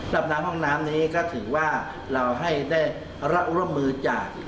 รับน้ำห้องน้ำนี้ก็ถือว่าเราให้ได้รับร่วมมือจาก